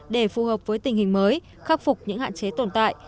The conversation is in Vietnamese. để phù hợp với tình hình mới khắc phục những hạn chế tồn tại